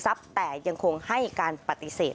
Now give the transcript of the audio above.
สวัสดีครับ